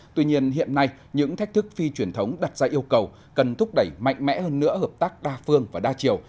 tuy nhiên hiện nay những thách thức phi truyền thống đặt ra yêu cầu cần thúc đẩy mạnh mẽ hơn nữa hợp tác đa phương và đa chiều